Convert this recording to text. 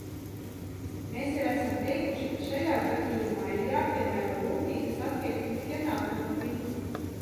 Mēs jau esam teikuši, ka šajā gadījumā ir jāpiemēro rūpīgas attieksmes pienākuma princips.